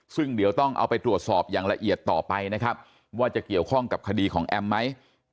ซึ่งเดี๋ยวต้องเอาไปตรวจสอบอย่างละเอียดต่อไปนะครับว่าจะเกี่ยวข้องกับคดีของแอมไหม